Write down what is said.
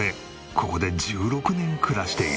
ここで１６年暮らしている。